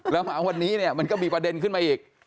แล้วมาวันนี้เนี่ยมันก็มีประเด็นขึ้นมาอีก